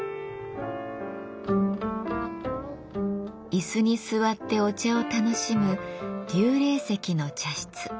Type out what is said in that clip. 椅子に座ってお茶を楽しむ立礼席の茶室。